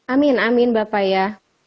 amin amin bapak ya